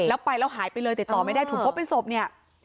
แล้วไปแล้วหายไปเลยติดต่อไม่ได้ถูกพบเป็นศพเนี่ย